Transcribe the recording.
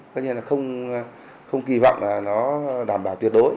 tất nhiên là không kỳ vọng là nó đảm bảo tuyệt đối